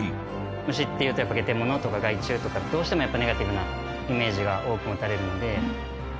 虫っていうとゲテモノとか害虫とかどうしてもネガティブなイメージが多く持たれるので。